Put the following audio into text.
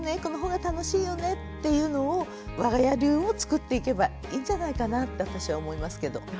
この方が楽しいよねっていうのをわが家流を作っていけばいいんじゃないかなって私は思いますけど。